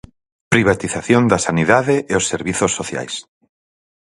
Privatización da sanidade e os servizos sociais.